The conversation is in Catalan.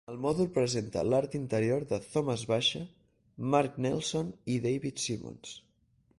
El mòdul presenta l'art interior de Thomas Baxa, Mark Nelson i David Simons.